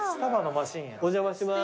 お邪魔します